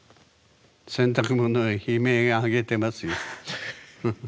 洗濯物は悲鳴上げてますよ。